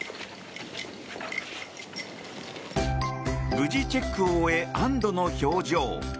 無事、チェックを終え安堵の表情。